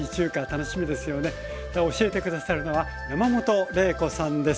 では教えて下さるのは山本麗子さんです。